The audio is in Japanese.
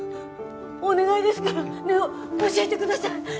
お願いですからねえ教えてください！